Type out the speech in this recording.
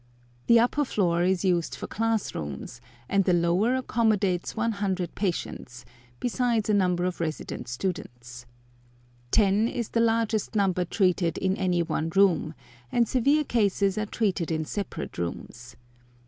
The upper floor is used for class rooms, and the lower accommodates 100 patients, besides a number of resident students. Ten is the largest number treated in any one room, and severe cases are treated in separate rooms.